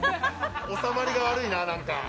収まりが悪いな、何か。